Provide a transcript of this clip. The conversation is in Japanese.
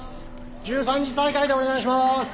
１３時再開でお願いします！